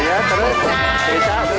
aja budaya jalan jalan pucat